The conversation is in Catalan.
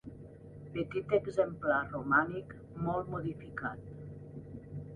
Petit exemplar romànic molt modificat.